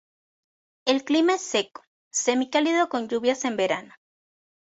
El clima es seco, semicálido con lluvias en verano.